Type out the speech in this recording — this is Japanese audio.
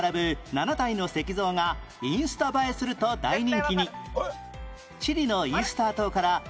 ７体の石像が「インスタ映えする」と大人気に